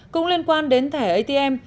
cũng liên quan đến thẻ atm